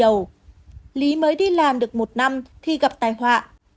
lý mới đi làm được một năm thì gặp tài họa